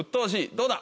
どうだ？